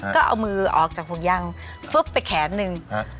ก็เอามือออกจากห่วงยางฟึ๊บไปแขนนึง